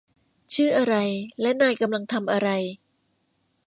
ชื่ออะไรและนายกำลังทำอะไร